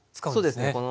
そうですね